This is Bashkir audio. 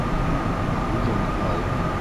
Үҙең ал.